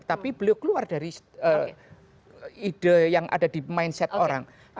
tapi beliau keluar dari ide yang ada di mindset orang